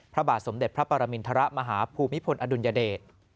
พระบาทสมเด็จพระปรมินทรมาฮภูมิพลอดุลยเดช